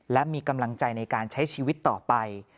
และมีกำลังใจในการใช้ชีวิตต่อไป